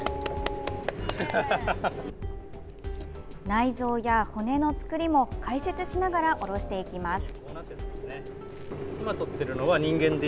内臓や骨の作りも解説しながらおろしていきます。